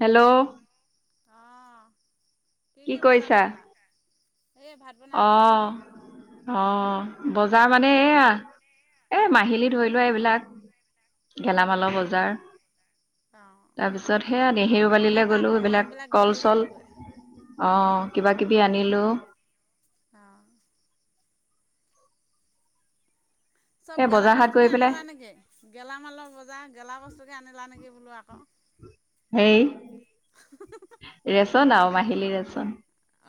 Hello. অঁ কি কি বজা কৰিলা? এই ভাত বনাই আছোঁ। আহ অ। বজাৰ মানে এয়া এ মাহিলী ধৰি লোৱা এইবিলাক। গেলামালৰ অঁ বজাৰ। অঁ তাৰপিছত সেয়া নেহেৰুবালৈ চাবা গ'লো আকৌ এইবিলাক মালবিলাক কল গেলি চল যাবগৈ। অ। কিবা কিবি আনিলো। আহ। চব এই গেলা বজাৰ হাট বস্তু কৰি কে পেলাই আনিলা নেকি, গেলামালৰ বজাৰ গেলা বস্তুকে আনিলা নেকি। বলো আকৌ। সেই। চোন আৰু মাহিলী দেচোন।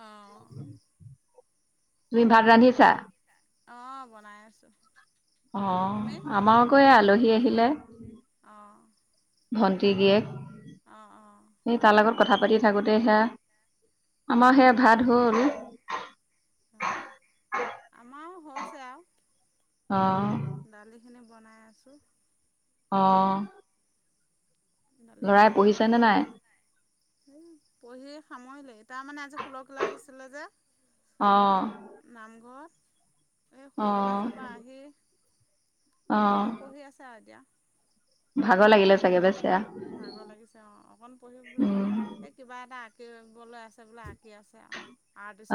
অঁ তুমি ভাত ৰান্ধি আছা। অ বনাই আছো। অ, আমাৰ আকৌ আলহী আহিলে অঁ ভন্টি। এক অঁ অঁ সেই তাল। [unintelligible] কথা পাতি থাকোতে সেয়া আমাৰ সেয়া ভাত হ'ল। অ আমাৰও হৈছে আৰু। আহ। দালিখিনি বনাই আছোঁ। অঁ। লৰাই পঢ়িছে নে নাই? এ পঢ়ি সামৰিলে তাৰ মানে আজি ষোল্ল ক্লাছ আছিলে যে। অ', নামঘৰত। এ অ খোলগিলা চপা আহি। অকন পঢ়ি আছো আৰু এতিয়া। ভাগ লাগিলে চাগে বেচেৰা। ভাগৰ লাগিছে অ, অকণ পঢ়ি বোলে উম এই কিবা এটা আঁকিবলৈ আছে বোলে আঁ।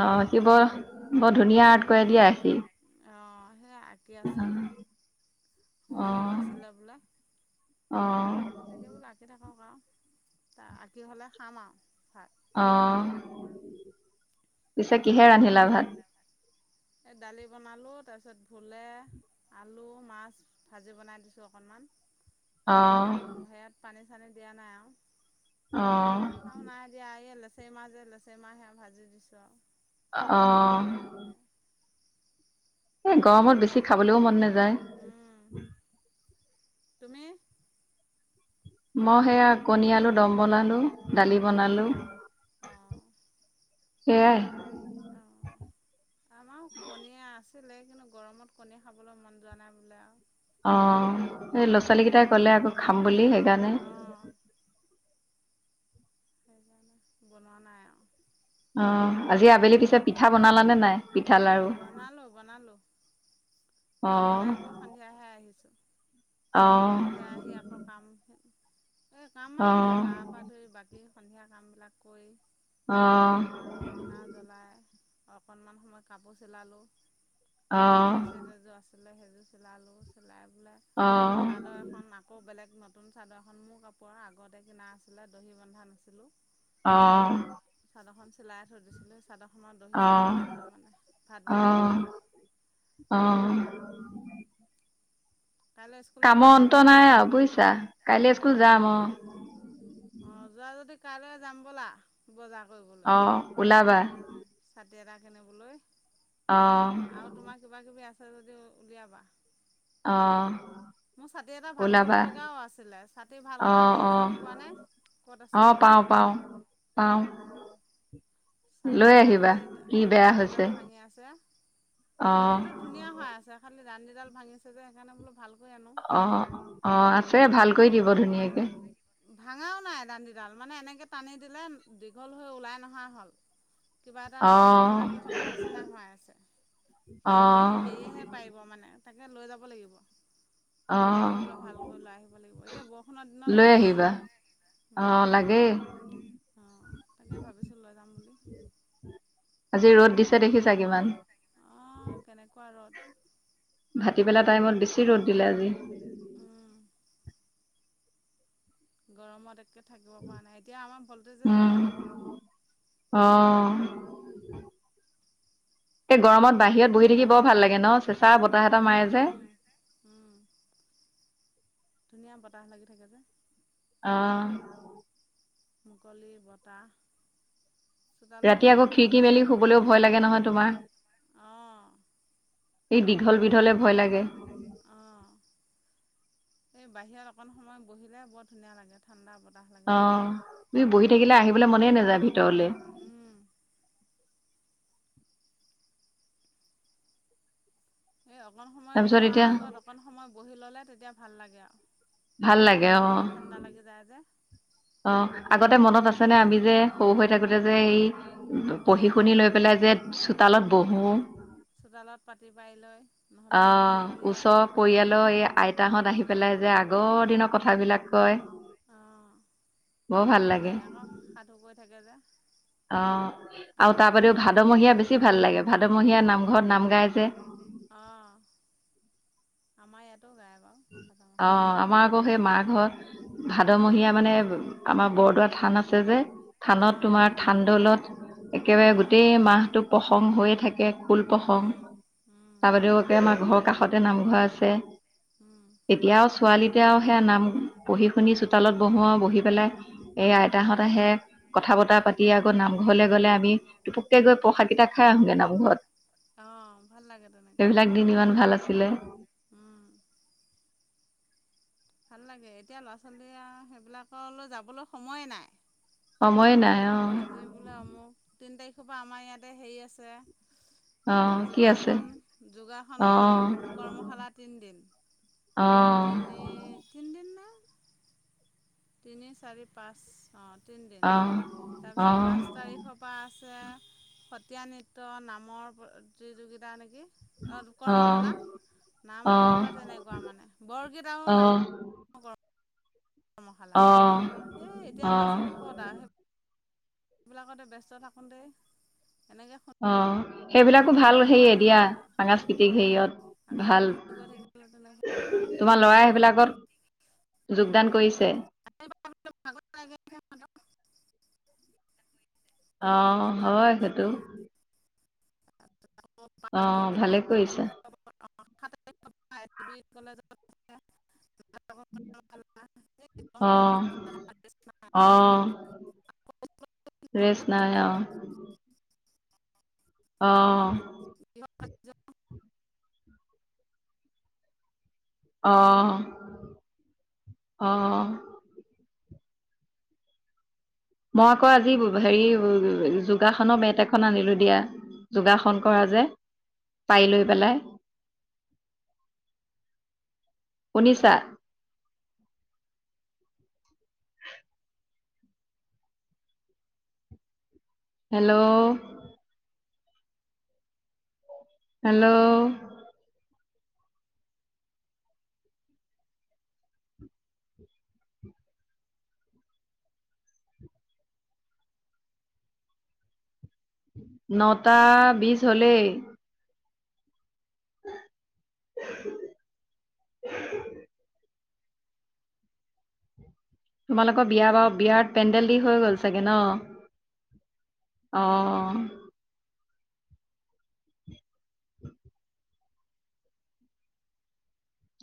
অ সি বৰ বৰ ধুনীয়া আৰ্ট কৰাই দিয়া সি। সে আঁকি আছে অ হোমৱৰ্ক আছিলে বোলে অ তাকে বোলো আঁকি থাকক আও ত আঁকি হলে খাম আও ভাত অ পিছে কিহে ৰান্ধিলা ভাত এই দালি বনালো তাৰপিছত ভোলে আলু মাছ ভাজি বনাই দিছো অকনমান অ সেয়াত পানী চানী দিয়া নাই আৰু অ লচেমা যে লচেমাহ সেয়া ভাজি দিছো আৰু অ এ গৰমত বেছি খাবলৈও মন নাযায় তুমি মই সেয়া কণী আলু দম বনালো দালি অঁ বনালো সেইয়াই অ আমাৰ কণীয়ে আছিলে কিন্তু গৰমত কণীয়ে খাবলৈ মন যোৱা নাই বোলে আৰু অ এই ল'ৰা সেইকাৰণে ছোৱালী কেইটাই কলে আকৌ খাম বুলি সেইকাৰণে অঁ সেইকাৰণে বনোৱা নাই আও অ আজি আবেলি পিছে পিঠা বনালানে নাই পিঠা লাৰু বনালোঁ বনালোঁ অ সেই বনাই গৈ সন্ধিয়াহে আহিছোঁ অ সন্ধিয়া আহি আকৌ কাম এ কাম মানে কি আও গা অহ, পা ধুই বাকী সন্ধিয়া কাম বিলাক কৰি অ অকমান সময় কাপোৰ চিলালো অহ, শাৰী ছেট এযোৰ আছিলে সেইযোৰ চিলালো চিলাই পেলাই অহ, চাদৰ এখন আকৌ বেলেগ নতুন চাদৰ এখন মোৰ কাপোৰ আগতে কিনা আছিলে দহি বন্ধা নাছিলো অ চাদৰখন চিলাই থৈ দিছিলো অ ভাত অ বনাই বনাই অ অ কাইলৈ স্কুল কামৰ যাবানে? অন্ত নাই আৰু বুইছা কাইলে স্কুল অঁ যাম অ অঁ যোৱা যদি কাইলৈ যাম ব'লা বজাৰ কৰিবলৈ অ, ওলাবা। ছাতি এটা কিনিবলৈ অ, আৰু তোমাৰ কিবা কিবি আছে উলিয়াবা অ মোৰ ছাতি এটা ভাল কৰিব ওলাবা। লগাও আছিলে ছাতি ভাল অ, কৰা অ, হেৰি চিনি পোৱা নাই অ পাও পাও পাও অঁ ছাতি দাণ্ডি কি বেয়া দানণ্ডি হৈছে। এডাল ভাঙি আছে অ, ছাতিটো ধুনীয়া হৈ আছে খালি দাণ্ডীডাল ভাঙিছে যে সেইকাৰণে বোলো ভাল কৰি আনো অ অ আছে ভাল কৰি দিব ধুনীয়াকে ভাঙাও নাই দাণ্ডীডাল মানে এনেকৈ টানি দিলে দীঘল হৈ ওলাই নহা হ'ল কিবা এটা অ, ঠেক লাগি থকা নিচিনা হৈ আছে অ, সেইটো হেৰিয়েহে পাৰিব মানে তাকে লৈ যাব লাগিব অ, লৈ গৈ পেলাই ভালকৈ লৈ আহিব লাগিব এতিয়া বৰষুণৰ দিনত লৈ লাগে আহিবা অ লাগে অঁ তাকে ভাবিছো লৈ যাম বুলি আজি ৰ'দ দিছে দেখিছা কিমান অ কেনেকোৱা ৰ'দ ভাটিবেলা টাইমত বেছি ৰ'দ দিলে আজি উম গৰমত একে থাকিব পৰা নাই এতিয়া আমাৰ ভলটেজে উম নাই অ এ গৰমত বাহিৰত বহি থাকি বৰ ভাল লাগে ন চে চাহ বতাহ এটা মাৰে উম যে উম উম ধুনীয়া লাগি থাকে যে [unintelligible] অ মুকলি বতাহ চোতালত ৰাতি বহি আকৌ থাকিলে খিৰিকি বেছি মেলি ভাল শুবলৈও ভয় লাগে নহয় অঁ তোমাৰ এই দীঘল কিবা বিধলে ভয় লাগে অঁ এই বাহিৰত অকণ সময় বহিলে বৰ ধুনীয়া লাগে ঠাণ্ডা বৰ অ তুমি বহি থাকিলে আহিবলৈ মনেই নাযায় ভিতৰলে উম এই অকণ সময় তাৰপিছত খোৱাৰ এতিয়া আগত অকণ সময় বহি ল'লে তেতিয়া ভাল লাগে আৰু ভাল লাগে অ ঠাণ্ডা লাগি যায় যে অ আগতে মনত তেতিয়া আছেনে ভাল আমি যে সৰু হৈ থাকোতে যে এই পঢ়ি অঁ শুনি লৈ পেলাই যে চোতালত বহো চোতালত পাতি পাৰি লৈ নহ'লে অ চকী উলিয়াই ওচৰ পৰিয়ালৰ এই আইতা হত আহি পেলাই যে আগৰ দিনৰ কথাবিলাক কয়। অঁ ভাল লাগে আকৌ সাধু কই থাকে। যে অ আৰু আকৌ তাৰ হেৰি বাদেও ভাদমহীয়া বেছি ভাল লাগে। ভাদমহীয়া নামঘৰত নাম গাইজে। অ আমাৰ ইয়াতো গাই অ আমাৰ আকৌ সেই মাহ ঘৰত ভাদমহীয়া মানে আমাৰ বৰ পুৰা থান আছে যে। থানত অঁ তোমাৰ থানদলত একেবাৰে অঁ অঁ গোটেই মাহটো প্ৰসং হৈয়ে থাকে। [unintelligible] খুল প্ৰসং উম উম তাৰ বাদেওকে আমাৰ ঘৰৰ কাষতে নামঘৰ আছে। [unintelligible] উম এতিয়াও ছোৱালীতে আৰু সেয়া নাম পঢ়ি শুনি চোতালত বহো আৰু বহি পেলাই সেইয়াই [unintelligible] [unintelligible] আইতাহঁত আহে। কথা বতা উম পাতি আকৌ নামঘৰলে গ'লে আমি টোপককে গৈ প্ৰসাদ কেইটা খাই আহোগে নামঘৰত। অঁ ভাল লাগে [unintelligible] তেনেকে সেইবিলাক দিন ইমান ভাল আছিলে। উম ভাল লাগে এতিয়া ল'ৰা ছোৱালীয়ে আৰু সেইবিলাকলৈ যাবলৈ সময়ে নাই। সময়ে নাই। অঁ আজি বোলে অমক তিনি তাৰিখৰ পৰা আমাৰ ইয়াতে হেৰি অঁ আছে। কি আছে যোগাসন যোগাসনৰ অঁ কৰ্মশালা তিনিদিন। অঁ তিনি তিনিদিন ন। তিনি চাৰি পাঁচ তিনিদিন অ তাৰপিছত পাঁচ তাৰিখৰ পা [unintelligible] সত্ৰীয়া নৃত্য নামৰ প্ৰতিযোগিতা নেকি? অ অঁ কৰ্মশালা নাম আৰু কিবা অঁ তেনেকুৱা মানে বৰগীত আৰু নাম অঁ গৰ মখালা অঁ এই এতিয়া ল'ৰা অঁ ছোৱালীক ক'ত আৰু সেই [unintelligible] সেইবিলাকতে ব্যস্ত থাকোঁতেই। [unintelligible] অ সেইবিলাকো শুনিবলৈ ভাল সময় হেৰিয়ে দিয়া নহয়গৈ আৰু সাংস্কৃতিক হেৰিয়ত। আগতে ভাল খালক থাক তেনেক তোমাৰ ভ ল'ৰাই অ। [unintelligible] সেইবিলাকত যোগদান কৰিছে। অ হয় সেইটো। অ ভালে কৰিছা কলেজৰ [unintelligible] আহ আহ ফ্ৰেছ নাই অ অ আহ আহ মই আকৌ আজি হেৰি যোগাসনৰ বেট এখন আনিলো দিয়া। যোগাসন কৰা যে পাৰি লৈ পেলাই। [unintelligible] শুনিছা? [inaudible] হেল্ল' হেল্ল' নটা বিছ হলেই। [unintelligible] তোমালোকৰ বিয়া বাৰ বিয়াৰ পেণ্ডেল দি হৈ গ'ল চাগে ন। আহ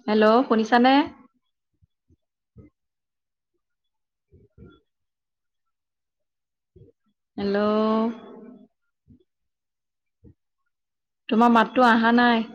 হেল্ল' শুনিছানে? হেল্ল' তোমাৰ মাততো অহা নাই।